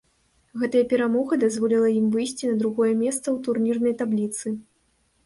Гэтая перамога дазволіла ім выйсці на другое месца ў турнірнай табліцы.